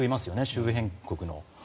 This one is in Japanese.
周辺国の。